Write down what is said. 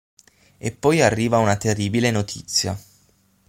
E poi arriva una terribile notizia.